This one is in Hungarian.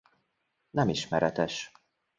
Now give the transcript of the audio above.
Nem ismeretes